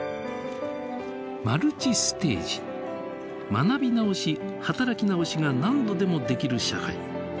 学び直し働き直しが何度でもできる社会。